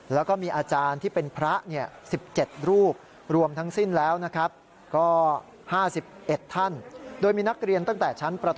แล้วก็มีอาจารย์ที่เป็นพระ๑๗รูป